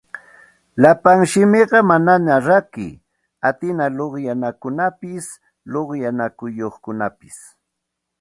Llapa simipa manaña rakiy atina luqyanakunapas luqyanayuqkunapas